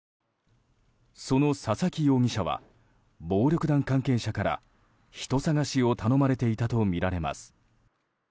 その佐々木容疑者は暴力団関係者から人捜しを頼まれていたとみられます。